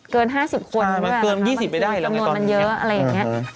เกิน๕๐คนด้วยแล้วนะครับมันควรจำนวนมันเยอะอะไรอย่างนี้ใช่มันเกิน๒๐ไม่ได้แล้วไงก่อนนี้